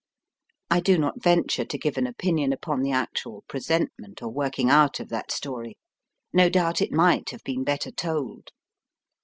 I do not venture to give an opinion upon the actual present ment or working out of that story. No doubt it might have been better told.